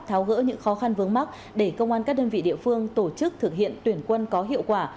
tháo gỡ những khó khăn vướng mắt để công an các đơn vị địa phương tổ chức thực hiện tuyển quân có hiệu quả